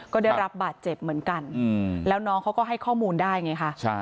ก็ได้รับบาดเจ็บเหมือนกันแล้วน้องเขาก็ให้ข้อมูลได้ไงคะ